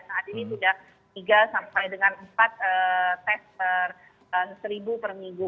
saat ini sudah tiga sampai dengan empat tes per seribu per minggu